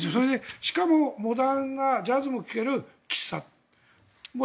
しかもモダンなジャズも聴ける喫茶店。